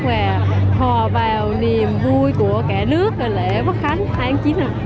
và hòa vào niềm vui của cả nước về lễ quốc khánh tháng chín